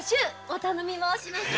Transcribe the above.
お頼み申します。